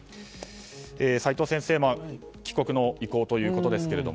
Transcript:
齋藤先生帰国の意向ということですが。